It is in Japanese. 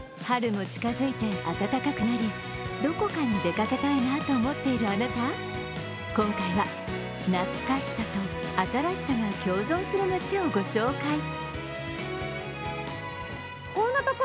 春も近づいて暖かくなりどこかに出かけたいなと思っている、あなた今回は、懐かしさと新しさが共存する街をご紹介。